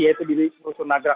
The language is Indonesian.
yaitu di rusunagrak